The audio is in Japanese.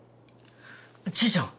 ちーちゃん！